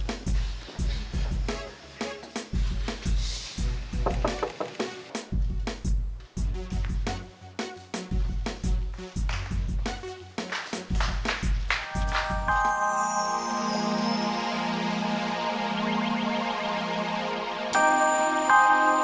aduh kasihan ya